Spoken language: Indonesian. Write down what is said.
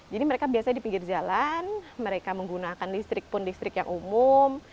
jadi mereka biasa di pinggir jalan mereka menggunakan listrik pun listrik yang umum